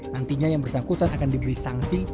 nantinya yang bersangkutan akan diberi sanksi